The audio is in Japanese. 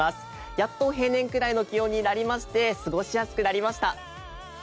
やっと平年くらいの気温となりまして過ごしやすくなりました。